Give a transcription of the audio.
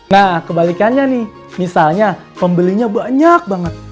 nah kebalikannya nih misalnya pembelinya banyak banget